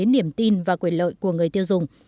niềm tin và quyền lợi của người tiêu dùng